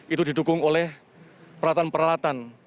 itu didukung oleh peralatan peralatan